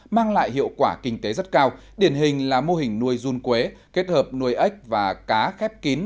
mang lại hiệu quả kinh tế rất cao điển hình là mô hình nuôi run quế kết hợp nuôi ếch và cá khép kín